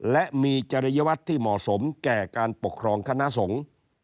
และมีจริยวัตรที่เหมาะสมแก่การปกครองคณะสงฆ์